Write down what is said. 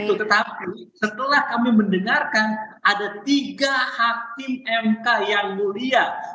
tetapi setelah kami mendengarkan ada tiga hakim mk yang mulia